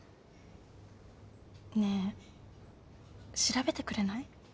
ねえ調べてくれない？